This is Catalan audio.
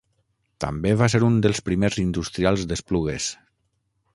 També va ser un dels primers industrials d'Esplugues.